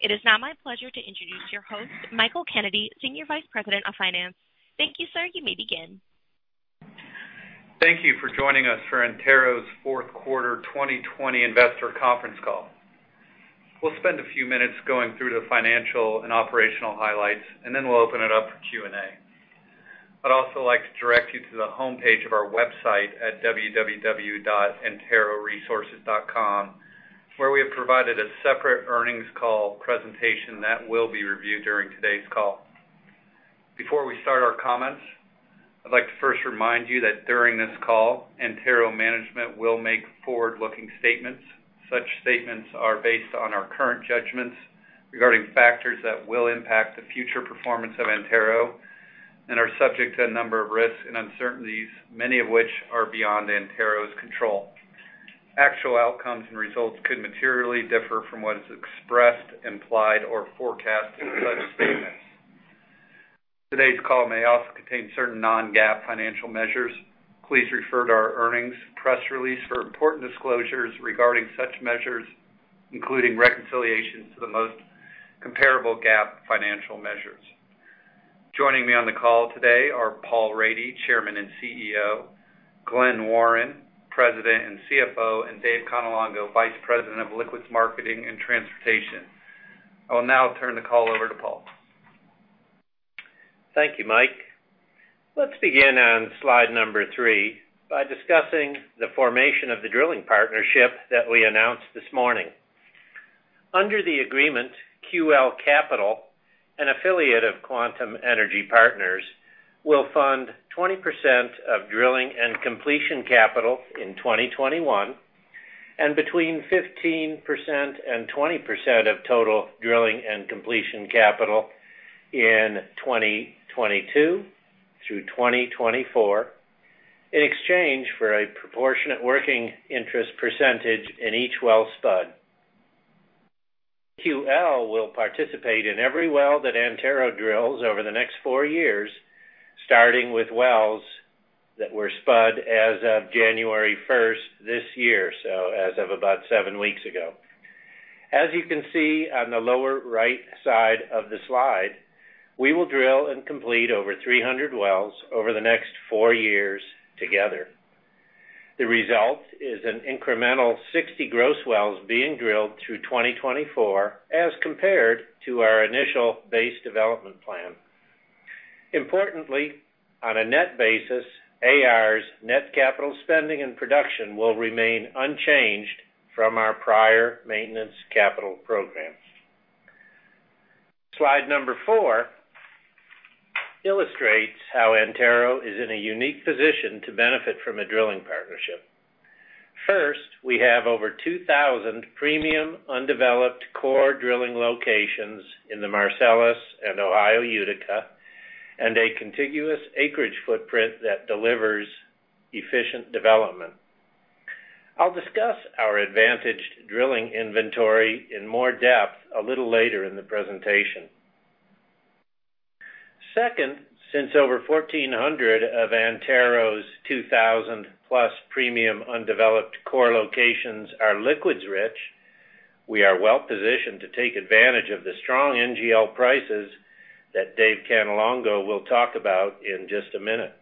It is now my pleasure to introduce your host, Michael Kennedy, Senior Vice President of Finance. Thank you, sir. You may begin. Thank you for joining us for Antero's Fourth Quarter 2020 Investor Conference Call. We'll spend a few minutes going through the financial and operational highlights, and then we'll open it up for Q&A. I'd also like to direct you to the homepage of our website at www.anteroresources.com, where we have provided a separate earnings call presentation that will be reviewed during today's call. Before we start our comments, I'd like to first remind you that during this call, Antero management will make forward-looking statements. Such statements are based on our current judgments regarding factors that will impact the future performance of Antero and are subject to a number of risks and uncertainties, many of which are beyond Antero's control. Actual outcomes and results could materially differ from what is expressed, implied, or forecasted in such statements. Today's call may also contain certain non-GAAP financial measures. Please refer to our earnings press release for important disclosures regarding such measures, including reconciliations to the most comparable GAAP financial measures. Joining me on the call today are Paul Rady, Chairman and CEO, Glen Warren, President and CFO, and Dave Cannelongo, Vice President of Liquids Marketing and Transportation. I will now turn the call over to Paul. Thank you, Mike. Let's begin on slide number three by discussing the formation of the drilling partnership that we announced this morning. Under the agreement, QL Capital, an affiliate of Quantum Energy Partners, will fund 20% of drilling and completion capital in 2021, and between 15% and 20% of total drilling and completion capital in 2022 through 2024, in exchange for a proportionate working interest percentage in each well spud. QL will participate in every well that Antero drills over the next four years, starting with wells that were spud as of January 1st this year, so as of about seven weeks ago. As you can see on the lower right side of the slide, we will drill and complete over 300 wells over the next four years together. The result is an incremental 60 gross wells being drilled through 2024 as compared to our initial base development plan. Importantly, on a net basis, AR's net capital spending and production will remain unchanged from our prior maintenance capital programs. Slide number four illustrates how Antero is in a unique position to benefit from a drilling partnership. First, we have over 2,000 premium undeveloped core drilling locations in the Marcellus and Ohio Utica, and a contiguous acreage footprint that delivers efficient development. I'll discuss our advantaged drilling inventory in more depth a little later in the presentation. Second, since over 1,400 of Antero's 2,000+ premium undeveloped core locations are liquids rich, we are well-positioned to take advantage of the strong NGL prices that Dave Cannelongo will talk about in just a minute.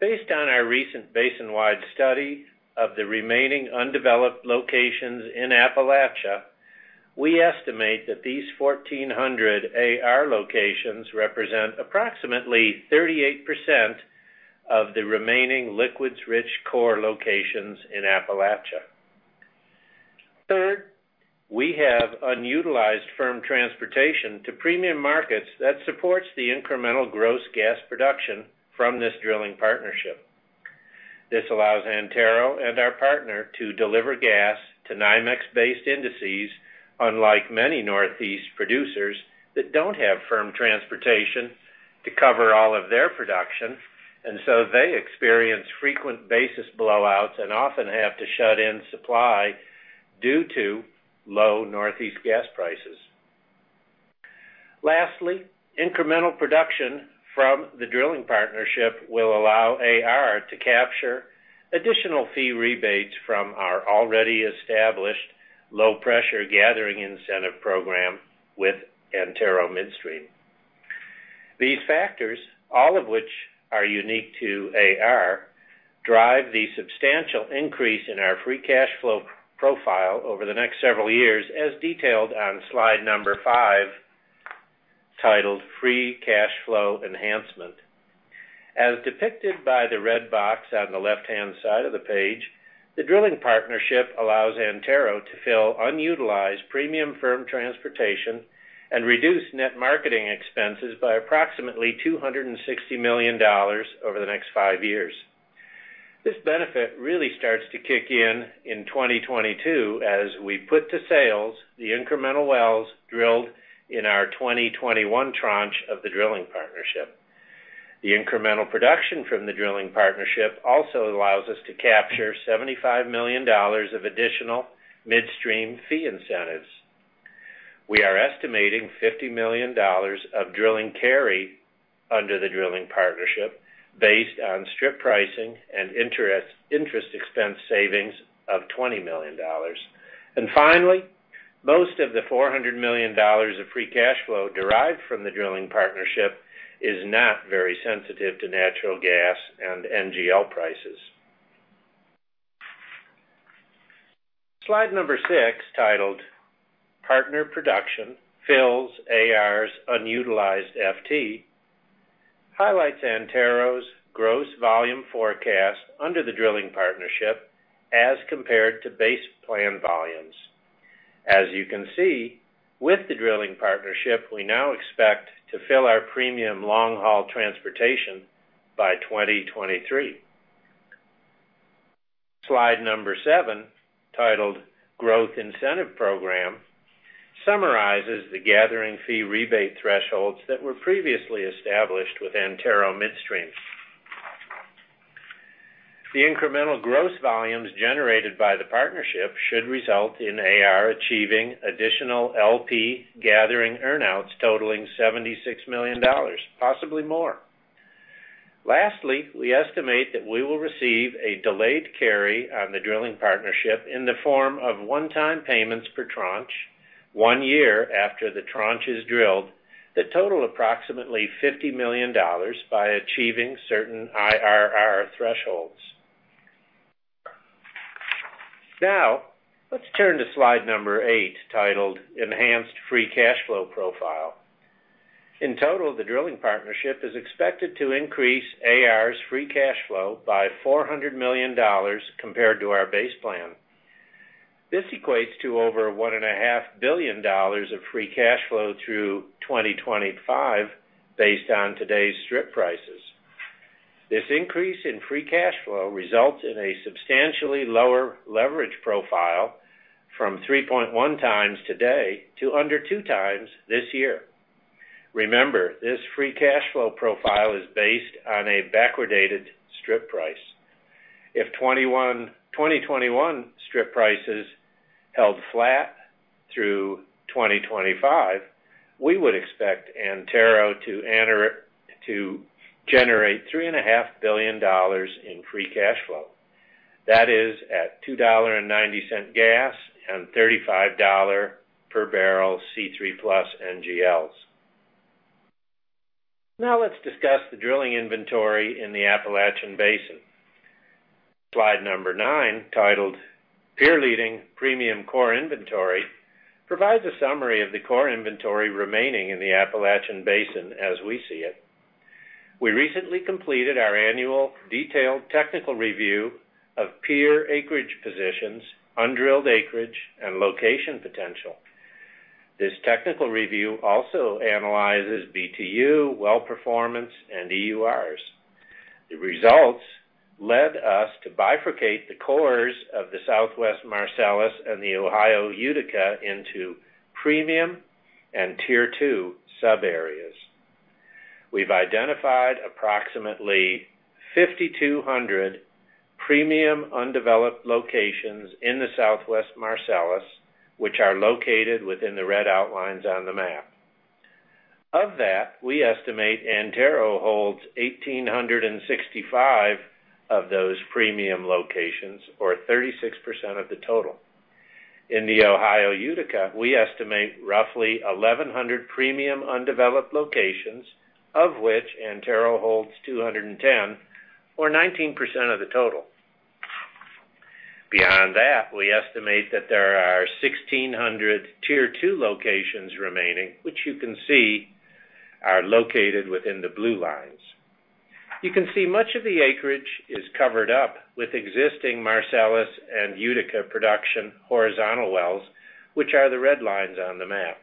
Based on our recent basin-wide study of the remaining undeveloped locations in Appalachia, we estimate that these 1,400 AR locations represent approximately 38% of the remaining liquids-rich core locations in Appalachia. We have unutilized firm transportation to premium markets that supports the incremental gross gas production from this drilling partnership. This allows Antero and our partner to deliver gas to NYMEX-based indices, unlike many Northeast producers that don't have firm transportation to cover all of their production, they experience frequent basis blowouts and often have to shut in supply due to low Northeast gas prices. Incremental production from the drilling partnership will allow AR to capture additional fee rebates from our already established low-pressure gathering incentive program with Antero Midstream. These factors, all of which are unique to AR, drive the substantial increase in our free cash flow profile over the next several years, as detailed on slide number five, titled Free Cash Flow Enhancement. As depicted by the red box on the left-hand side of the page, the drilling partnership allows Antero to fill unutilized premium firm transportation and reduce net marketing expenses by approximately $260 million over the next five years. This benefit really starts to kick in in 2022, as we put to sales the incremental wells drilled in our 2021 tranche of the drilling partnership. The incremental production from the drilling partnership also allows us to capture $75 million of additional midstream fee incentives. We are estimating $50 million of drilling carry under the drilling partnership based on strip pricing and interest expense savings of $20 million. Finally, most of the $400 million of free cash flow derived from the drilling partnership is not very sensitive to natural gas and NGL prices. Slide number six, titled "Partner Production Fills AR's Unutilized FT," highlights Antero's gross volume forecast under the drilling partnership as compared to base plan volumes. As you can see, with the drilling partnership, we now expect to fill our premium long-haul transportation by 2023. Slide number seven, titled "Growth Incentive Program," summarizes the gathering fee rebate thresholds that were previously established with Antero Midstream. The incremental gross volumes generated by the partnership should result in AR achieving additional LP gathering earn-outs totaling $76 million, possibly more. Lastly, we estimate that we will receive a delayed carry on the drilling partnership in the form of one-time payments per tranche, one year after the tranche is drilled, that total approximately $50 million by achieving certain IRR thresholds. Now, let's turn to slide number eight, titled "Enhanced Free Cash Flow Profile." In total, the drilling partnership is expected to increase AR's free cash flow by $400 million compared to our base plan. This equates to over $1.5 billion of free cash flow through 2025 based on today's strip prices. This increase in free cash flow results in a substantially lower leverage profile from 3.1 times today to under 2x this year. Remember, this free cash flow profile is based on a backwardated strip price. If 2021 strip prices held flat through 2025, we would expect Antero to generate $3.5 billion in free cash flow. That is at $2.90 gas and $35 per barrel C3+ NGLs. Now let's discuss the drilling inventory in the Appalachian Basin. Slide number nine, titled "Peer-Leading Premium Core Inventory," provides a summary of the core inventory remaining in the Appalachian Basin as we see it. We recently completed our annual detailed technical review of peer acreage positions, undrilled acreage, and location potential. This technical review also analyzes BTU, well performance, and EURs. The results led us to bifurcate the cores of the Southwest Marcellus and the Ohio Utica into premium and tier two sub-areas. We've identified approximately 5,200 premium undeveloped locations in the Southwest Marcellus, which are located within the red outlines on the map. Of that, we estimate Antero holds 1,865 of those premium locations or 36% of the total. In the Ohio Utica, we estimate roughly 1,100 premium undeveloped locations, of which Antero holds 210 or 19% of the total. Beyond that, we estimate that there are 1,600 tier two locations remaining, which you can see are located within the blue lines. You can see much of the acreage is covered up with existing Marcellus and Utica production horizontal wells, which are the red lines on the map.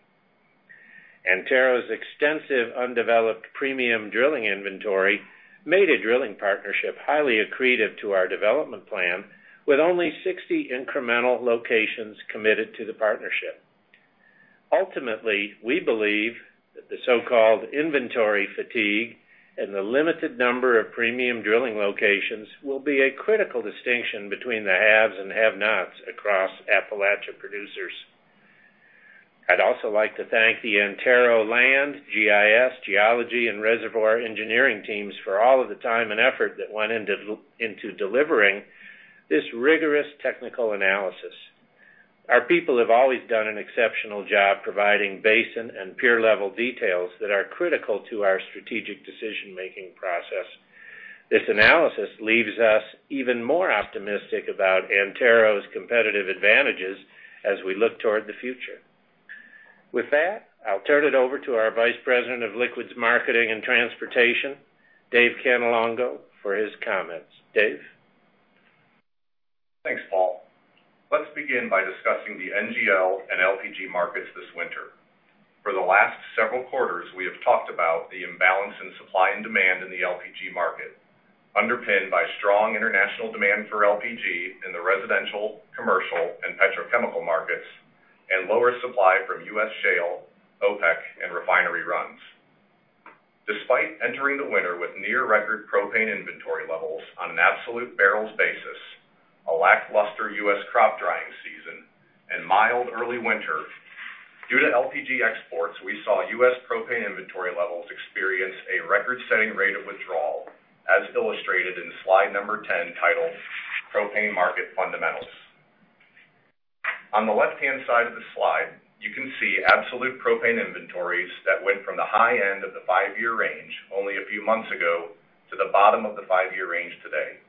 Antero's extensive undeveloped premium drilling inventory made a drilling partnership highly accretive to our development plan with only 60 incremental locations committed to the partnership. Ultimately, we believe that the so-called inventory fatigue and the limited number of premium drilling locations will be a critical distinction between the haves and have-nots across Appalachia producers. I'd also like to thank the Antero land, GIS, geology, and reservoir engineering teams for all of the time and effort that went into delivering this rigorous technical analysis. Our people have always done an exceptional job providing basin and peer-level details that are critical to our strategic decision-making process. This analysis leaves us even more optimistic about Antero's competitive advantages as we look toward the future. With that, I'll turn it over to our Vice President of Liquids Marketing and Transportation, Dave Cannelongo, for his comments. Dave? Thanks, Paul. Let's begin by discussing the NGL and LPG markets this winter. For the last several quarters, we have talked about the imbalance in supply and demand in the LPG market. Underpinned by strong international demand for LPG in the residential, commercial, and petrochemical markets, lower supply from U.S. shale, OPEC, and refinery runs. Despite entering the winter with near record propane inventory levels on an absolute barrels basis, a lackluster U.S. crop drying season, and mild early winter, due to LPG exports, we saw U.S. propane inventory levels experience a record-setting rate of withdrawal, as illustrated in slide number 10 titled, "Propane Market Fundamentals." On the left-hand side of the slide, you can see absolute propane inventories that went from the high end of the five-year range only a few months ago, to the bottom of the five-year range today.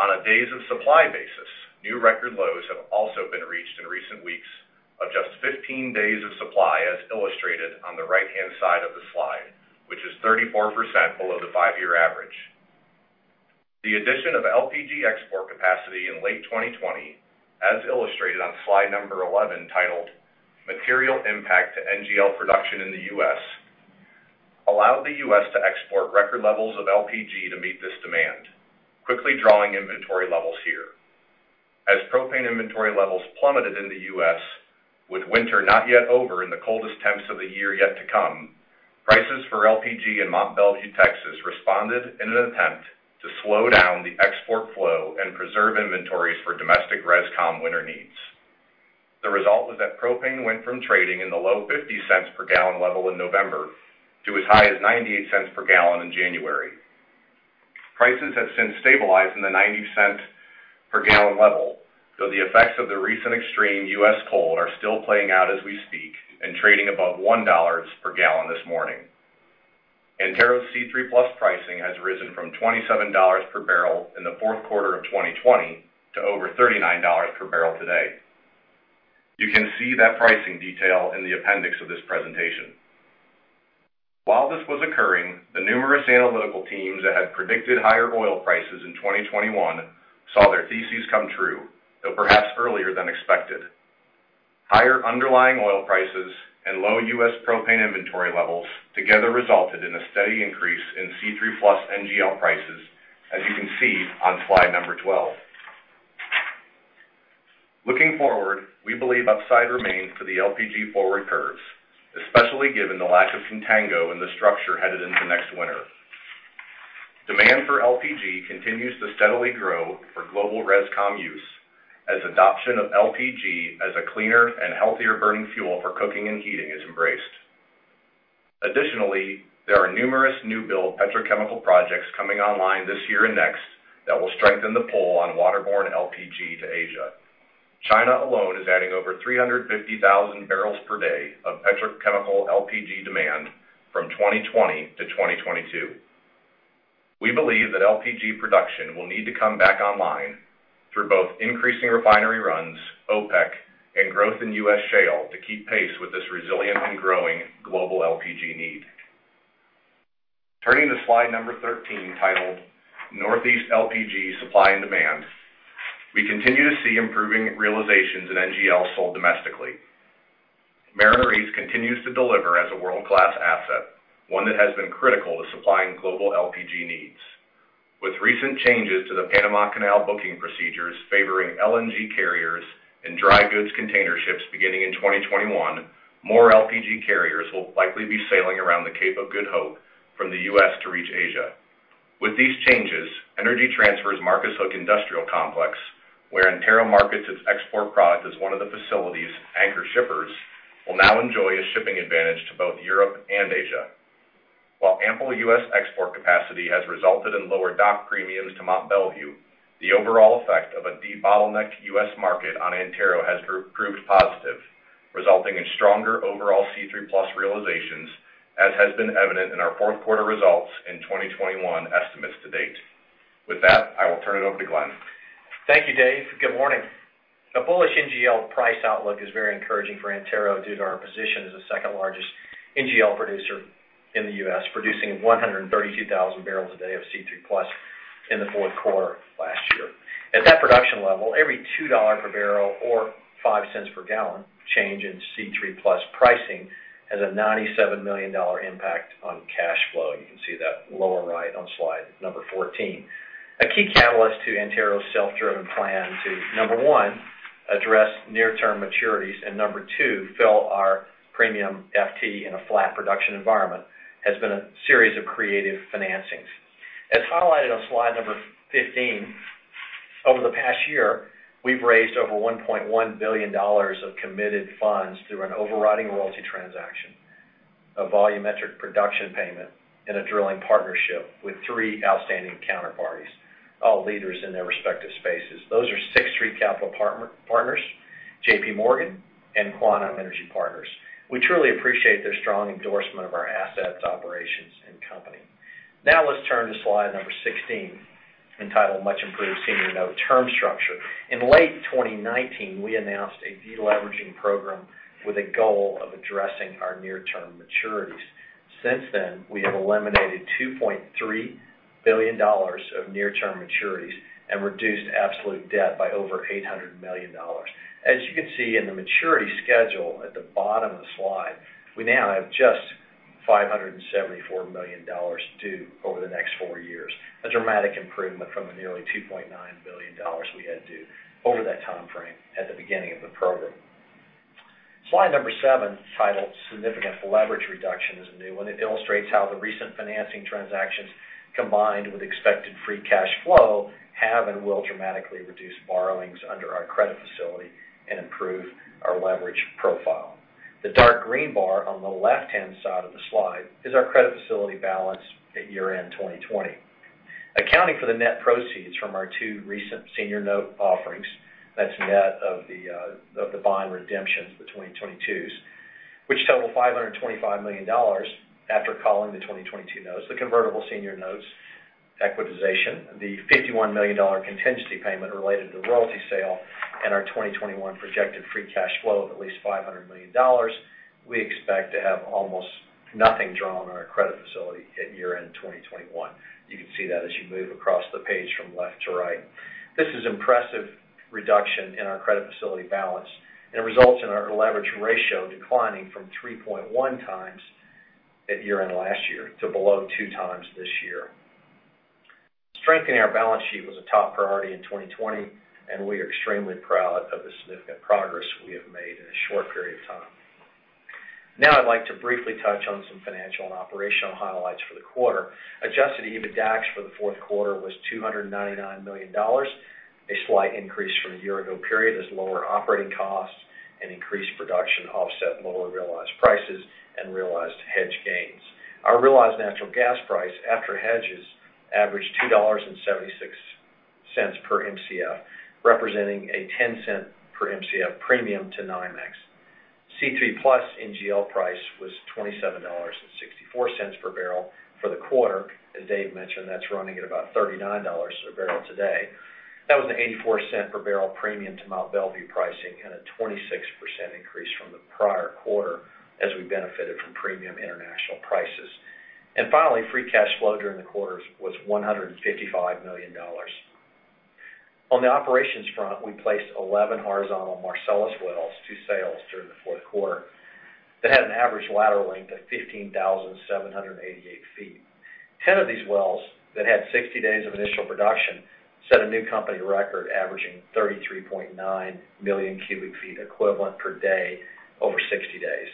On a days of supply basis, new record lows have also been reached in recent weeks of just 15 days of supply, as illustrated on the right-hand side of the slide, which is 34% below the five-year average. The addition of LPG export capacity in late 2020, as illustrated on slide number 11, titled, "Material Impact to NGL Production in the U.S.," allowed the U.S. to export record levels of LPG to meet this demand, quickly drawing inventory levels here. As propane inventory levels plummeted in the U.S., with winter not yet over in the coldest temps of the year yet to come, prices for LPG in Mont Belvieu, Texas responded in an attempt to slow down the export flow and preserve inventories for domestic res/com winter needs. The result was that propane went from trading in the low $0.50 per gallon level in November to as high as $0.98 per gallon in January. Prices have since stabilized in the $0.90-per-gallon level, though the effects of the recent extreme U.S. cold are still playing out as we speak and trading above $1 per gallon this morning. Antero's C3+ pricing has risen from $27 per barrel in the fourth quarter of 2020 to over $39 per barrel today. You can see that pricing detail in the appendix of this presentation. While this was occurring, the numerous analytical teams that had predicted higher oil prices in 2021 saw their theses come true, though perhaps earlier than expected. Higher underlying oil prices and low U.S. propane inventory levels together resulted in a steady increase in C3+ NGL prices, as you can see on slide number 12. Looking forward, we believe upside remains for the LPG forward curves, especially given the lack of contango in the structure headed into next winter. Demand for LPG continues to steadily grow for global res/com use as adoption of LPG as a cleaner and healthier burning fuel for cooking and heating is embraced. Additionally, there are numerous new build petrochemical projects coming online this year and next that will strengthen the pull on waterborne LPG to Asia. China alone is adding over 350,000 barrels per day of petrochemical LPG demand from 2020 to 2022. We believe that LPG production will need to come back online through both increasing refinery runs, OPEC, and growth in U.S. shale to keep pace with this resilient and growing global LPG need. Turning to slide number 13, titled, "Northeast LPG Supply and Demand," we continue to see improving realizations in NGL sold domestically. Mariner East continues to deliver as a world-class asset, one that has been critical to supplying global LPG needs. With recent changes to the Panama Canal booking procedures favoring LNG carriers and dry goods container ships beginning in 2021, more LPG carriers will likely be sailing around the Cape of Good Hope from the U.S. to reach Asia. With these changes, Energy Transfer's Marcus Hook Industrial Complex, where Antero markets its export product as one of the facility's anchor shippers, will now enjoy a shipping advantage to both Europe and Asia. While ample U.S. export capacity has resulted in lower dock premiums to Mont Belvieu, the overall effect of a de-bottlenecked U.S. market on Antero has proved positive, resulting in stronger overall C3+ realizations, as has been evident in our fourth quarter results and 2021 estimates to date. With that, I will turn it over to Glen. Thank you, Dave. Good morning. A bullish NGL price outlook is very encouraging for Antero due to our position as the second-largest NGL producer in the U.S., producing 132,000 barrels a day of C3+ in the fourth quarter of last year. At that production level, every $2 per barrel or $0.05 per gallon change in C3+ pricing has a $97 million impact on cash flow. You can see that lower right on slide number 14. A key catalyst to Antero's self-driven plan to, number one, address near-term maturities, and number two, fill our premium FT in a flat production environment, has been a series of creative financings. As highlighted on slide number 15, over the past year, we've raised over $1.1 billion of committed funds through an overriding royalty transaction, a volumetric production payment, and a drilling partnership with three outstanding counterparties, all leaders in their respective spaces. Those are Sixth Street Partners, JPMorgan, and Quantum Energy Partners. We truly appreciate their strong endorsement of our assets, operations, and company. Now let's turn to slide number 16, entitled Much Improved Senior Note Term Structure. In late 2019, we announced a de-leveraging program with a goal of addressing our near-term maturities. Since then, we have eliminated $2.3 billion of near-term maturities and reduced absolute debt by over $800 million. As you can see in the maturity schedule at the bottom of the slide, we now have just $574 million due over the next four years, a dramatic improvement from the nearly $2.9 billion we had due over that timeframe at the beginning of the program. Slide number seven, titled Significant Leverage Reduction, is new, and it illustrates how the recent financing transactions, combined with expected free cash flow, have and will dramatically reduce borrowings under our credit facility and improve our leverage profile. The dark green bar on the left-hand side of the slide is our credit facility balance at year-end 2020. Accounting for the net proceeds from our two recent senior note offerings, that's net of the bond redemptions, the 2022s, which total $525 million after calling the 2022 notes, the convertible senior notes equitization, the $51 million contingency payment related to the royalty sale, and our 2021 projected free cash flow of at least $500 million. We expect to have almost nothing drawn on our credit facility at year-end 2021. You can see that as you move across the page from left to right. This is impressive reduction in our credit facility balance, and it results in our leverage ratio declining from 3.1x at year-end last year to below two times this year. Strengthening our balance sheet was a top priority in 2020, and we are extremely proud of the significant progress we have made in a short period of time. Now I'd like to briefly touch on some financial and operational highlights for the quarter. Adjusted EBITDAX for the fourth quarter was $299 million, a slight increase from the year-ago period as lower operating costs and increased production offset lower realized prices and realized hedge gains. Our realized natural gas price after hedges averaged $2.76 per Mcf, representing a $0.10 per Mcf premium to NYMEX. C3+ NGL price was $27.64 per barrel for the quarter. As Dave mentioned, that's running at about $39 a barrel today. That was an $0.84 per barrel premium to Mont Belvieu pricing and a 26% increase from the prior quarter as we benefited from premium international prices. Finally, free cash flow during the quarter was $155 million. On the operations front, we placed 11 horizontal Marcellus wells to sales during the fourth quarter that had an average lateral length of 15,788 feet. 10 of these wells that had 60 days of initial production set a new company record, averaging 33.9 million cu ft equivalent per day over 60 days.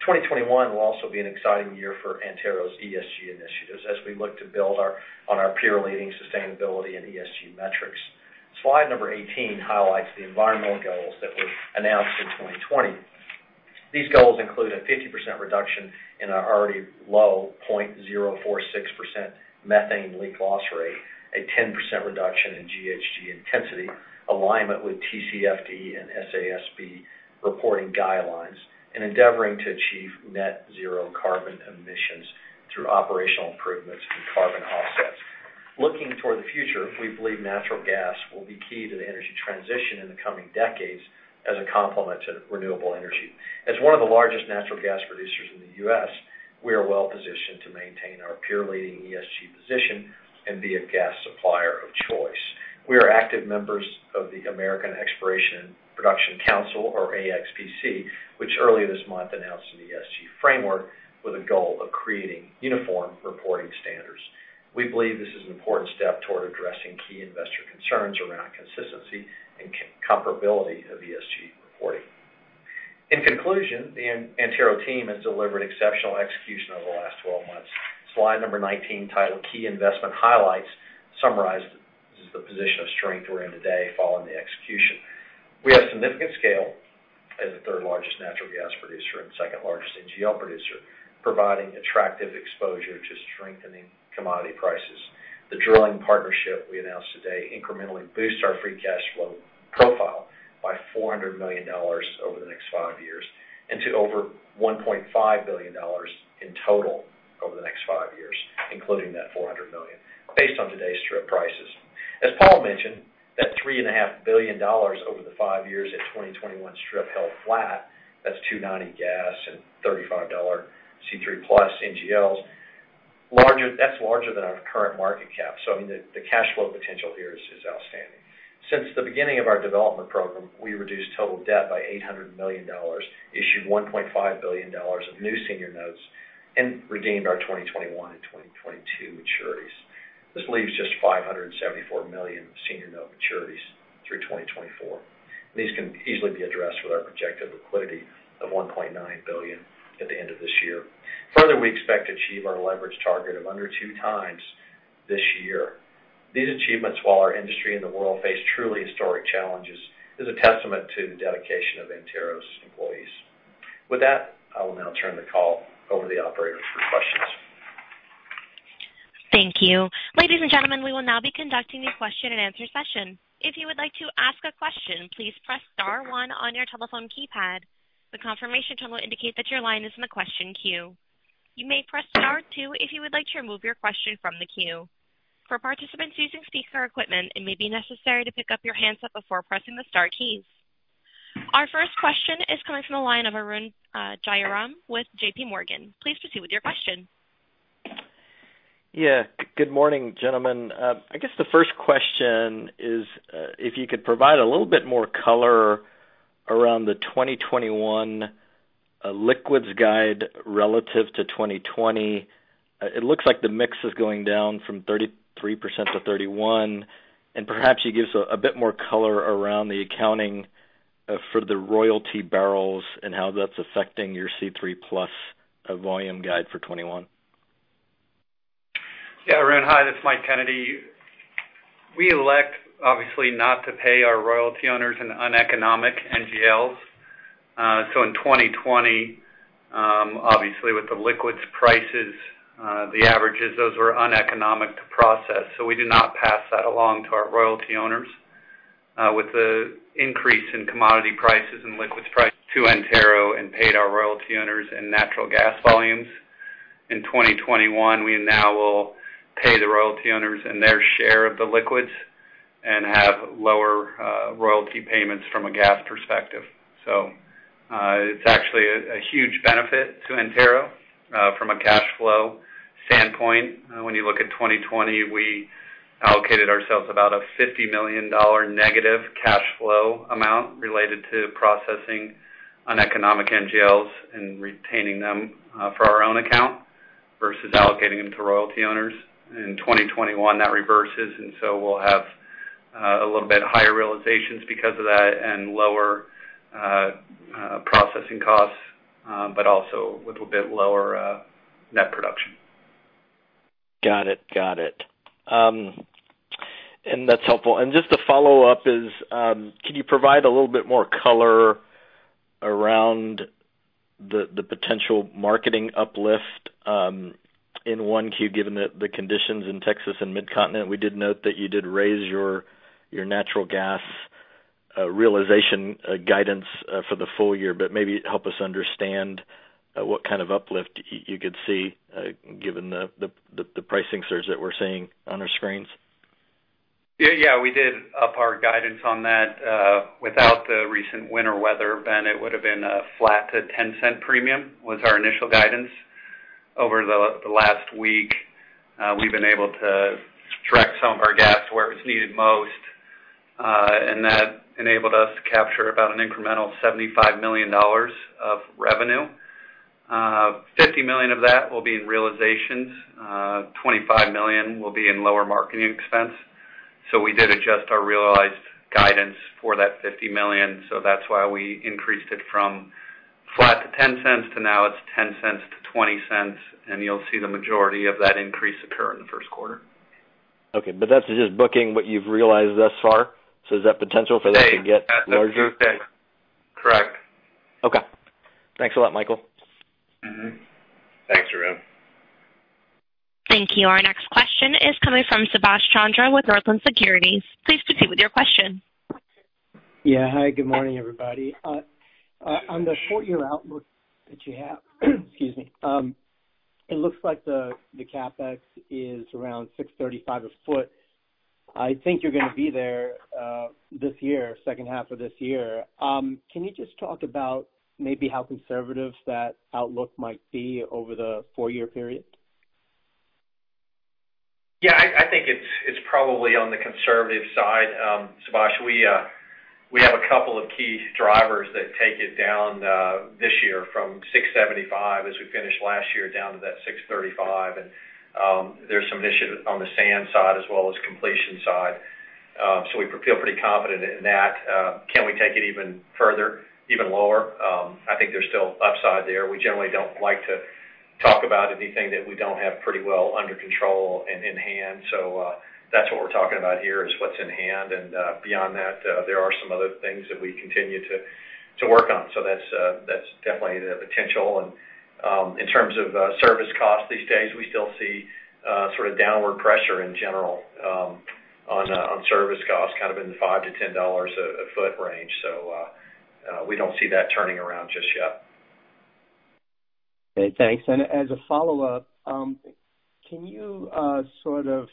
2021 will also be an exciting year for Antero's ESG initiatives as we look to build on our peer-leading sustainability and ESG metrics. Slide number 18 highlights the environmental goals that were announced in 2020. These goals include a 50% reduction in our already low 0.046% methane leak loss rate, a 10% reduction in GHG intensity, alignment with TCFD and SASB reporting guidelines, and endeavoring to achieve net zero carbon emissions through operational improvements and carbon offsets. Looking toward the future, we believe natural gas will be key to the energy transition in the coming decades as a complement to renewable energy. As one of the largest natural gas producers in the U.S., we are well-positioned to maintain our peer-leading ESG position and be a gas supplier of choice. We are active members of the American Exploration & Production Council, or AXPC, which earlier this month announced an ESG framework with a goal of creating uniform reporting standards. We believe this is an important step toward addressing key investor concerns around consistency and comparability of ESG reporting. In conclusion, the Antero team has delivered exceptional execution over the last 12 months. Slide number 19, titled Key Investment Highlights, summarized the position of strength we're in today following the execution. We have significant scale as the third-largest natural gas producer and second-largest NGL producer, providing attractive exposure to strengthening commodity prices. The drilling partnership we announced today incrementally boosts our free cash flow profile by $400 million over the next five years and to over $1.5 billion in total over the next five years, including that $400 million, based on today's strip prices. As Paul mentioned, that $3.5 billion over the five years at 2021 strip held flat. That's $290 gas and $35 C3+ NGLs. That's larger than our current market cap. The cash flow potential here is outstanding. Since the beginning of our development program, we reduced total debt by $800 million, issued $1.5 billion of new senior notes, and redeemed our 2021 and 2022 maturities. This leaves just $574 million senior note maturities through 2024. These can easily be addressed with our projected liquidity of $1.9 billion at the end of this year. Further, we expect to achieve our leverage target of under 2x this year. These achievements, while our industry and the world face truly historic challenges, is a testament to the dedication of Antero's employees. With that, I will now turn the call over to the operator for questions. Thank you. Ladies and gentlemen, we will now be conducting the question-and-answer session. If you would like to ask a question, please press star one on your telephone keypad. The confirmation tone will indicate that your line is in the question queue. You may press star two if you would like to remove your question from the queue. For participants using speaker equipment, it may be necessary to pick up your handset before pressing the star keys. Our first question is coming from the line of Arun Jayaram with JPMorgan. Please proceed with your question. Good morning, gentlemen. I guess the first question is if you could provide a little bit more color around the 2021 liquids guide relative to 2020. It looks like the mix is going down from 33% -31%, and perhaps you give a bit more color around the accounting for the royalty barrels and how that's affecting your C3+ volume guide for 2021. Arun. Hi, this is Michael Kennedy. We elect, obviously, not to pay our royalty owners in uneconomic NGLs. In 2020, obviously with the liquids prices, the averages, those were uneconomic to process. We did not pass that along to our royalty owners. With the increase in commodity prices and liquids price to Antero, and paid our royalty owners in natural gas volumes. In 2021, we now will pay the royalty owners and their share of the liquids and have lower royalty payments from a gas perspective. It's actually a huge benefit to Antero from a cash flow standpoint. When you look at 2020, we allocated ourselves about a $50 million negative cash flow amount related to processing uneconomic NGLs and retaining them for our own account versus allocating them to royalty owners. In 2021, that reverses, and so we'll have a little bit higher realizations because of that and lower processing costs, but also a little bit lower net production. Got it. That's helpful. Just a follow-up is, can you provide a little bit more color around the potential marketing uplift in Q1, given the conditions in Texas and Mid-Continent? We did note that you did raise your natural gas realization guidance for the full-year, but maybe help us understand what kind of uplift you could see, given the pricing surge that we're seeing on our screens. Yeah. We did up our guidance on that. Without the recent winter weather, then it would have been a flat to $0.10 premium was our initial guidance. Over the last week, we've been able to direct some of our gas to where it was needed most. That enabled us to capture about an incremental $75 million of revenue. $50 million of that will be in realizations. $25 million will be in lower marketing expense. We did adjust our realized guidance for that $50 million. That's why we increased it from flat to $0.10 to now it's $0.10 - $0.20. You'll see the majority of that increase occur in the first quarter. Okay. That's just booking what you've realized thus far. Is that potential for that to get larger? Correct. Okay. Thanks a lot, Michael. Mm-hmm. Thanks, Arun. Thank you. Our next question is coming from Subash Chandra with Northland Securities. Please proceed with your question. Yeah. Hi, good morning, everybody. On the four-year outlook that you have, excuse me. It looks like the CapEx is around $635 a foot. I think you're going to be there this year, second half of this year. Can you just talk about maybe how conservative that outlook might be over the four-year period? Yeah, I think it's probably on the conservative side, Subash. We have a couple of key drivers that take it down this year from 675 as we finished last year down to that 635. There's some issues on the sand side as well as completion side. We feel pretty confident in that. Can we take it even further, even lower? I think there's still upside there. We generally don't like to talk about anything that we don't have pretty well under control and in hand. That's what we're talking about here is what's in hand. Beyond that, there are some other things that we continue to work on. That's definitely the potential. In terms of service cost these days, we still see sort of downward pressure in general on service costs, kind of in the $5-$10 a foot range. We don't see that turning around just yet. Okay, thanks. As a follow-up, can you sort of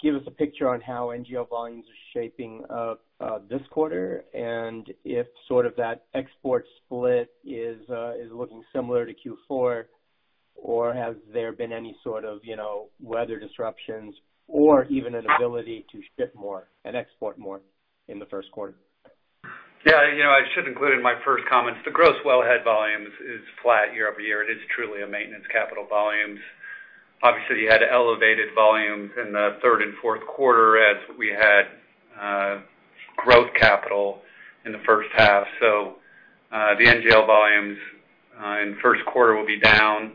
give us a picture on how NGL volumes are shaping up this quarter, and if sort of that export split is looking similar to Q4, or have there been any sort of weather disruptions or even an ability to ship more and export more in the first quarter? Yeah. I should include in my first comments, the gross wellhead volumes is flat year-over-year. It is truly a maintenance capital volumes. Obviously, you had elevated volumes in the third and fourth quarter as we had growth capital in the first half. The NGL volumes in the first quarter will be down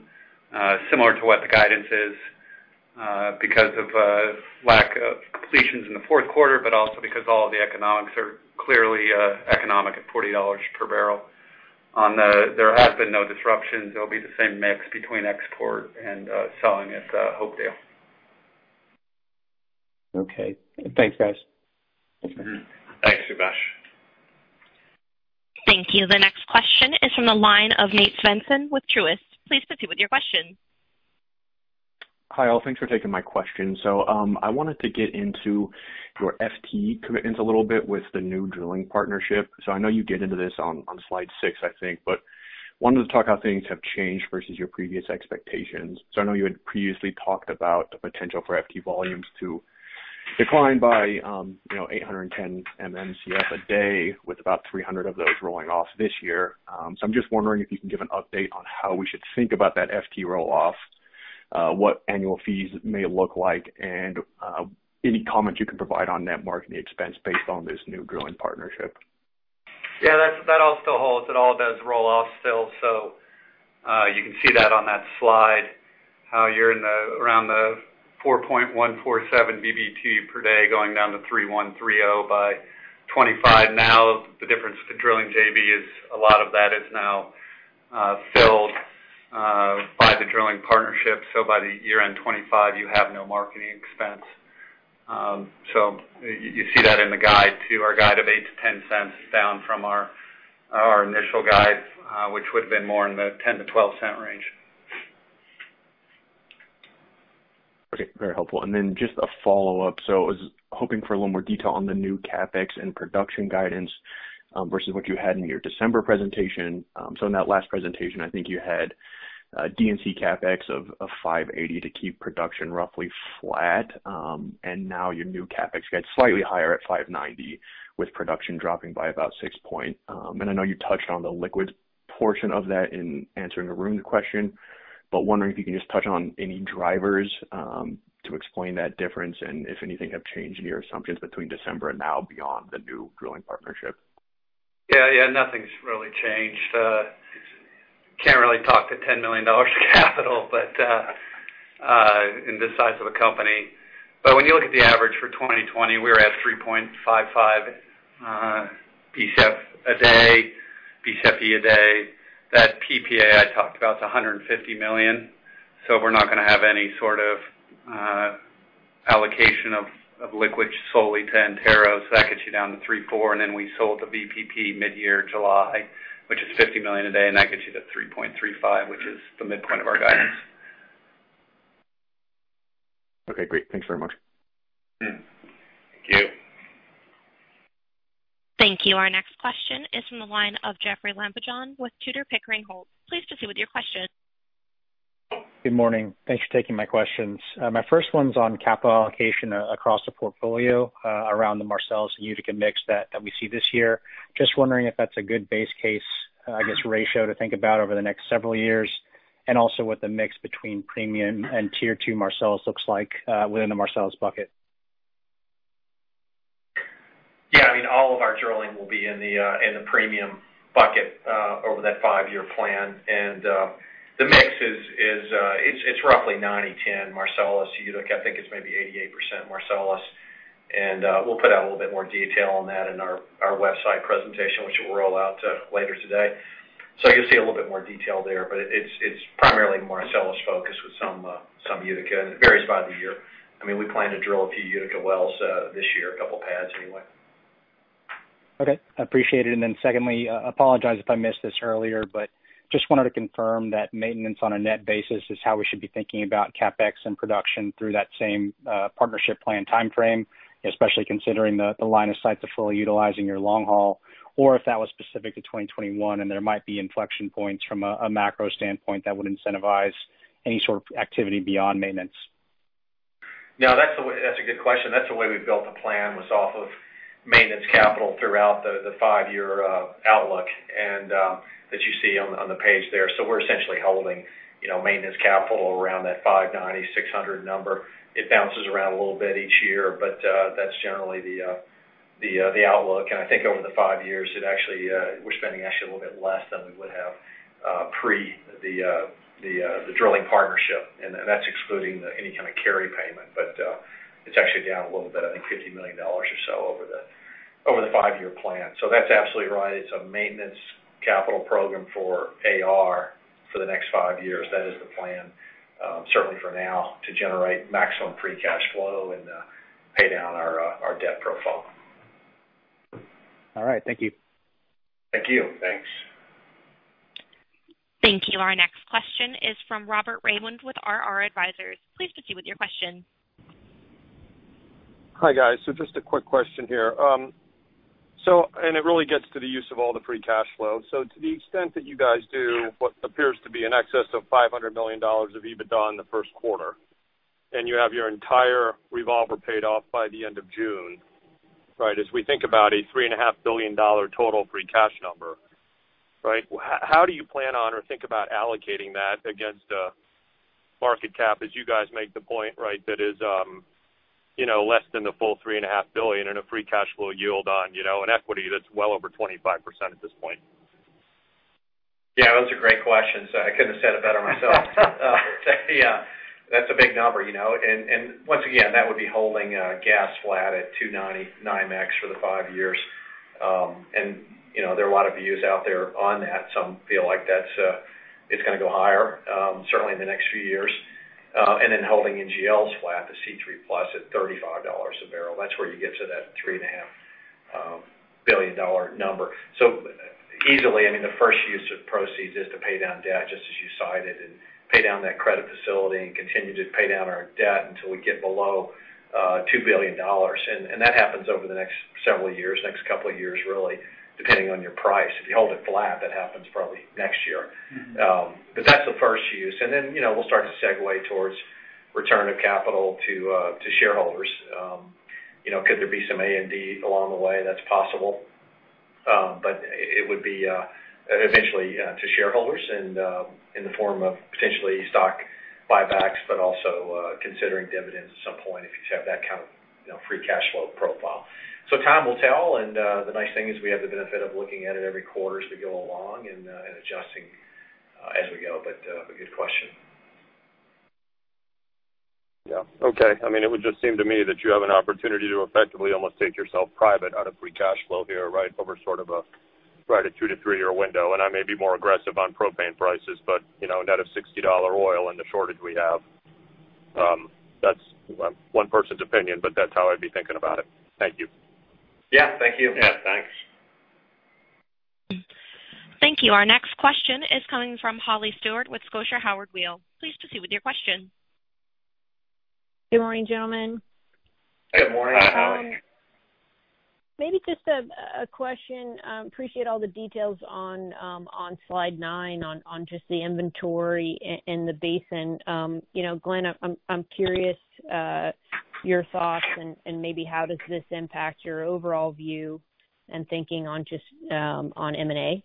similar to what the guidance is because of a lack of completions in the fourth quarter, but also because all of the economics are clearly economic at $40 per barrel. There has been no disruptions. It'll be the same mix between export and selling at Hopedale. Okay. Thanks, guys. Mm-hmm. Thanks, Subash. Thank you. The next question is from the line of Neal Dingmann with Truist. Please proceed with your question. Hi, all. Thanks for taking my question. I wanted to get into your FT commitments a little bit with the new drilling partnership. I know you get into this on slide six, I think. Wanted to talk how things have changed versus your previous expectations. I know you had previously talked about the potential for FT volumes to decline by 810 MMcf a day with about 300 of those rolling off this year. I'm just wondering if you can give an update on how we should think about that FT roll-off, what annual fees may look like, and any comments you can provide on net marketing expense based on this new drilling partnership. Yeah, that all still holds. It all does roll off still. You can see that on that slide, how you're around the 4.147 Bcf per day, going down to 3,130 by 2025. The difference to drilling JV is a lot of that is now filled by the drilling partnership. By the year-end 2025, you have no marketing expense. You see that in the guide too. Our guide of $0.08-$0.10 down from our initial guide, which would've been more in the $0.10-$0.12 range. Okay. Very helpful. Then just a follow-up. I was hoping for a little more detail on the new CapEx and production guidance, versus what you had in your December presentation. In that last presentation, I think you had D&C CapEx of $580 to keep production roughly flat. Now your new CapEx gets slightly higher at $590, with production dropping by about six point. I know you touched on the liquids portion of that in answering Arun's question, but wondering if you can just touch on any drivers to explain that difference and if anything have changed in your assumptions between December and now beyond the new drilling partnership. Yeah. Nothing's really changed. Can't really talk to $10 million capital in this size of a company. When you look at the average for 2020, we were at 3.55 Bcf a day, Bcfe a day. That PPA I talked about, the $150 million. We're not going to have any sort of allocation of liquids solely to Antero. That gets you down to 3.4, and then we sold the VPP midyear July, which is $50 million a day, and that gets you to 3.35, which is the midpoint of our guidance. Okay, great. Thanks very much. Thank you. Thank you. Our next question is from the line of Jeoffrey Lambujon with Tudor, Pickering, Holt & Co. Please proceed with your question. Good morning. Thanks for taking my questions. My first one's on capital allocation across the portfolio, around the Marcellus and Utica mix that we see this year. Just wondering if that's a good base case, I guess, ratio to think about over the next several years. Also, what the mix between premium and tier two Marcellus looks like within the Marcellus bucket. Yeah. All of our drilling will be in the premium bucket over that five-year plan. The mix is roughly 90/10 Marcellus. Utica, I think it's maybe 88% Marcellus. We'll put out a little bit more detail on that in our website presentation, which will roll out later today. You'll see a little bit more detail there, but it's primarily Marcellus focus with some Utica, and it varies by the year. We plan to drill a few Utica wells this year, a couple pads anyway. Okay. Appreciate it. Secondly, apologize if I missed this earlier, just wanted to confirm that maintenance on a net basis is how we should be thinking about CapEx and production through that same partnership plan timeframe, especially considering the line of sight to fully utilizing your long haul, or if that was specific to 2021 and there might be inflection points from a macro standpoint that would incentivize any sort of activity beyond maintenance? No, that's a good question. That's the way we built the plan, was off of maintenance capital throughout the five-year outlook, that you see on the page there. We're essentially holding maintenance capital around that 590, 600 number. It bounces around a little bit each year, that's generally the outlook. I think over the five years, we're spending actually a little bit less than we would have pre the drilling partnership, that's excluding any kind of carry payment. It's actually down a little bit, I think $50 million or so over the five-year plan. That's absolutely right. It's a maintenance capital program for AR for the next five years. That is the plan, certainly for now, to generate maximum free cash flow and pay down our debt profile. All right. Thank you. Thank you. Thanks. Thank you. Our next question is from Robert Raymond with RR Advisors. Please proceed with your question. Hi, guys. Just a quick question here. It really gets to the use of all the free cash flow. To the extent that you guys do what appears to be in excess of $500 million of EBITDA in the first quarter, and you have your entire revolver paid off by the end of June. As we think about a $3.5 billion total free cash number, how do you plan on or think about allocating that against a market cap as you guys make the point that is less than the full $3.5 billion in a free cash flow yield on an equity that's well over 25% at this point? Yeah, those are great questions. I couldn't have said it better myself. That's a big number. Once again, that would be holding gas flat at 299 max for the five years. There are a lot of views out there on that. Some feel like it's going to go higher, certainly in the next few years. Then holding NGLs flat to C3+ at $35 a barrel. That's where you get to that $3.5 billion number. Easily, the first use of proceeds is to pay down debt, just as you cited, and pay down that credit facility and continue to pay down our debt until we get below $2 billion. That happens over the next several years, next couple of years really, depending on your price. If you hold it flat, that happens probably next year. That's the first use. Then, we'll start to segue towardsReturn of capital to shareholders. Could there be some A&D along the way? That's possible. It would be eventually to shareholders and in the form of potentially stock buybacks, but also considering dividends at some point if you have that kind of free cash flow profile. Time will tell, and the nice thing is we have the benefit of looking at it every quarter as we go along and adjusting as we go. A good question. Yeah. Okay. It would just seem to me that you have an opportunity to effectively almost take yourself private out of free cash flow here, over a two- to three-year window. I may be more aggressive on propane prices, but in that a $60 oil and the shortage we have. That's one person's opinion, but that's how I'd be thinking about it. Thank you. Yeah. Thank you. Yeah, thanks. Thank you. Our next question is coming from Holly Stewart with Scotiabank Howard Weil. Please proceed with your question. Good morning, gentlemen. Good morning, Holly. Maybe just a question. Appreciate all the details on Slide nine on just the inventory in the basin. Glen, I'm curious your thoughts and maybe how does this impact your overall view and thinking on just on M&A?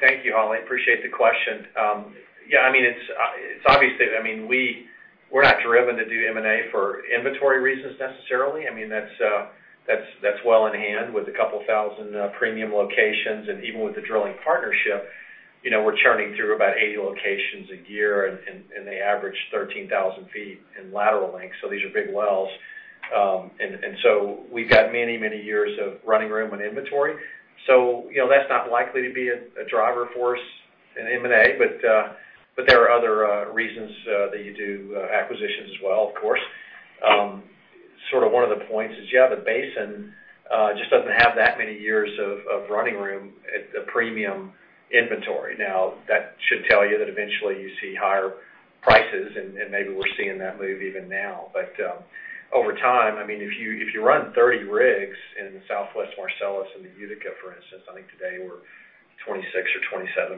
Thank you, Holly. Appreciate the question. It's obviously We're not driven to do M&A for inventory reasons necessarily. That's well in hand with a 2,000 premium locations. Even with the drilling partnership, we're churning through about 80 locations a year, and they average 13,000 ft in lateral length. These are big wells. We've got many years of running room and inventory. That's not likely to be a driver force in M&A, but there are other reasons that you do acquisitions as well, of course. Sort of one of the points is, the basin just doesn't have that many years of running room at the premium inventory. That should tell you that eventually you see higher prices, and maybe we're seeing that move even now. Over time, if you run 30 rigs in Southwest Marcellus and the Utica, for instance, I think today we're 26 or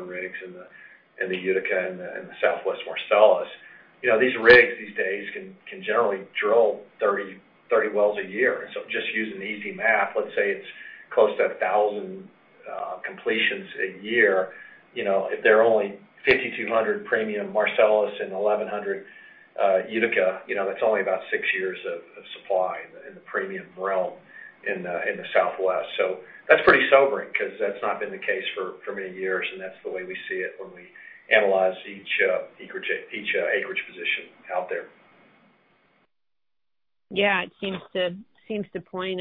27 rigs in the Utica and the Southwest Marcellus. These rigs these days can generally drill 30 wells a year. Just using easy math, let's say it's close to 1,000 completions a year. If there are only 5,200 premium Marcellus and 1,100 Utica, that's only about six years of supply in the premium realm in the Southwest. That's pretty sobering because that's not been the case for many years, and that's the way we see it when we analyze each acreage position out there. Yeah, it seems to point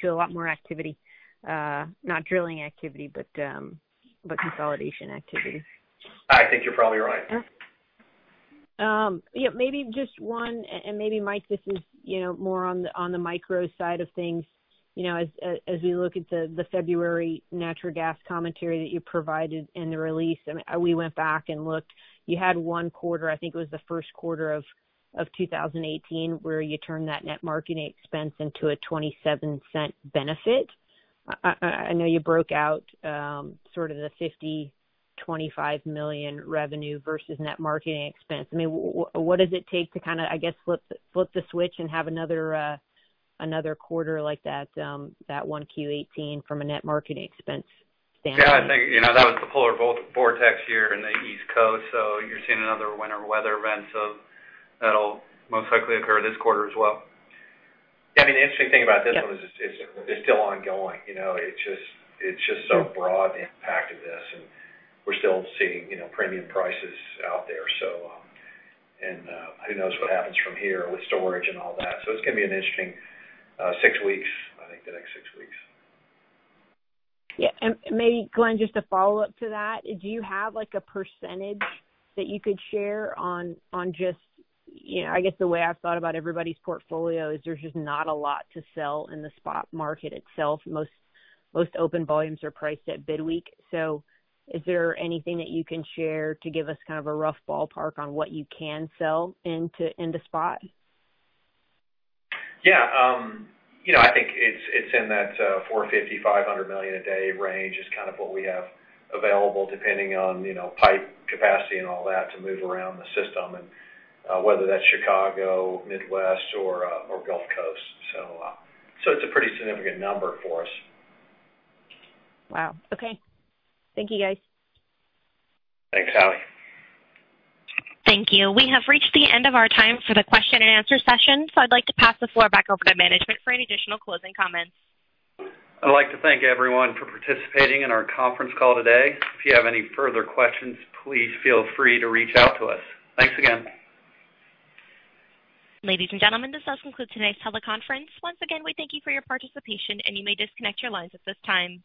to a lot more activity, not drilling activity, but consolidation activity. I think you're probably right. Yeah. Maybe just one, and maybe Mike, this is more on the micro side of things. As we look at the February natural gas commentary that you provided in the release, and we went back and looked, you had one quarter, I think it was the first quarter of 2018, where you turned that net marketing expense into a $0.27 benefit. I know you broke out sort of the $50 million, $25 million revenue versus net marketing expense. What does it take to, I guess, flip the switch and have another quarter like that Q18 from a net marketing expense standpoint? Yeah, I think, that was the polar vortex here in the East Coast. You're seeing another winter weather event, so that'll most likely occur this quarter as well. Yeah, the interesting thing about this one is it's still ongoing. It's just so broad the impact of this, and we're still seeing premium prices out there. Who knows what happens from here with storage and all that. It's going to be an interesting six weeks, I think the next six weeks. Yeah. maybe Glen, just a follow-up to that. Do you have a percentage that you could share on just I guess the way I've thought about everybody's portfolio is there's just not a lot to sell in the spot market itself. Most open volumes are priced at bid week. is there anything that you can share to give us a rough ballpark on what you can sell into spot? Yeah. I think it's in that $450 million-$500 million a day range is what we have available, depending on pipe capacity and all that to move around the system, and whether that's Chicago, Midwest, or Gulf Coast. It's a pretty significant number for us. Wow. Okay. Thank you, guys. Thanks, Holly. Thank you. We have reached the end of our time for the question-and-answer session, so I'd like to pass the floor back over to management for any additional closing comments. I'd like to thank everyone for participating in our conference call today. If you have any further questions, please feel free to reach out to us. Thanks again. Ladies and gentlemen, this does conclude tonight's teleconference. Once again, we thank you for your participation, and you may disconnect your lines at this time.